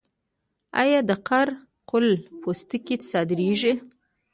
آیا د قره قل پوستکي صادریږي؟